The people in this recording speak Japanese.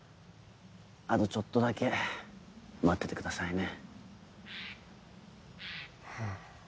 あとちょっとだけ待っててくださいね。